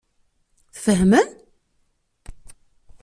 Tfehmem?